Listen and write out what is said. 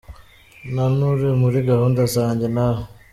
Nta nuri muri gahunda zanjye, ntawe,.